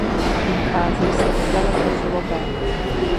Nachází se nedaleko Žulové.